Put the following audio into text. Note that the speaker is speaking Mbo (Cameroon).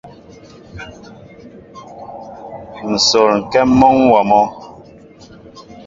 Nsol ŋkém mɔnwóó mɔ.